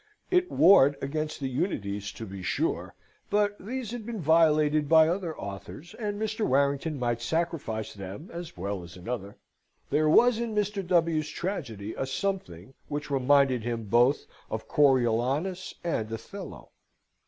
It warred against the unities, to be sure; but these had been violated by other authors, and Mr. Warrington might sacrifice them as well as another. There was in Mr. W.'s tragedy a something which reminded him both of Coriolanus and Othello.